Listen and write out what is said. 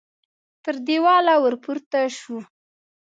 تر دېواله ور پورته شو.